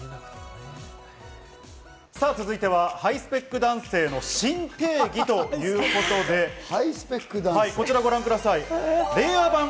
続いては、ハイスペック男性の新定義ということでこちら、ご覧ください。